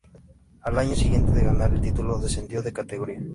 Al año siguiente de ganar el título, descendió de categoría.